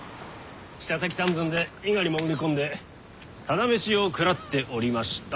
舌先三寸で伊賀に潜り込んでただ飯を食らっておりました。